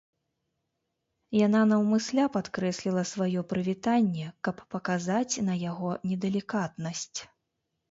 Яна наўмысля падкрэсліла сваё прывітанне, каб паказаць на яго недалікатнасць.